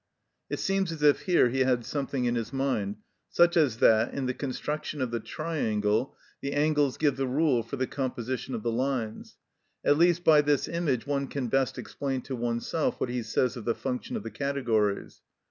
It seems as if here he had something in his mind, such as that, in the construction of the triangle, the angles give the rule for the composition of the lines; at least by this image one can best explain to oneself what he says of the function of the categories.